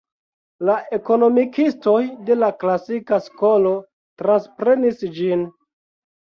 La ekonomikistoj de la klasika skolo transprenis ĝin.